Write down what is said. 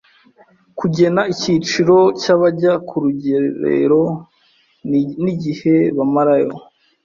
kugena icyiciro cy’abajya ku rugerero n‘igihe bamarayo;